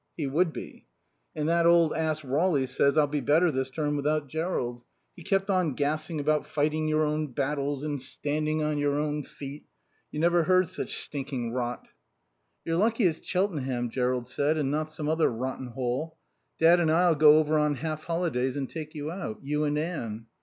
"He would be." "And that old ass Rawly says I'll be better this term without Jerrold. He kept on gassing about fighting your own battles and standing on your own feet. You never heard such stinking rot." "You're lucky it's Cheltenham," Jerrold said, "and not some other rotten hole. Dad and I'll go over on half holidays and take you out. You and Anne."